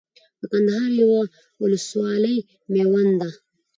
د کندهار يوه ولسوالي ميوند ده